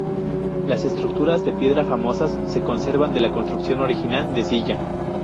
Las estructuras de piedra famosas se conservan de la construcción original de Silla.